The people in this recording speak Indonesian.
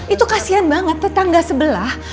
itu kasian banget tetangga sebelah